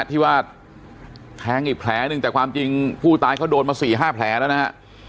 ที่ว่าแทงอีกแผลหนึ่งแต่ความจริงผู้ตายเขาโดนมา๔๕แผลแล้วนะฮะ